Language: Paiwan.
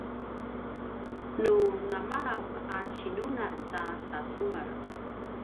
nu namalap a cinunan ta sacemel